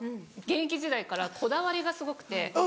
現役時代からこだわりがすごくて。